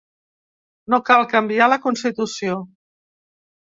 No cal canviar la constitució.